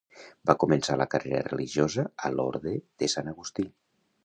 Va començar la carrera religiosa a l'Orde de Sant Agustí.